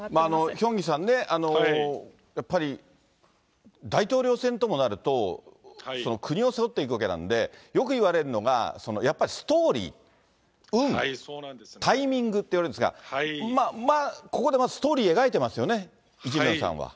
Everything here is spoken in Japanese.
ヒョンギさん、やっぱり大統領選ともなると、国を背負っていくわけなので、よくいわれるのが、やっぱりストーリー、運、タイミングといわれるんですが、まあ、ここでまずストーリー描いてますよね、イ・ジェミョンさんは。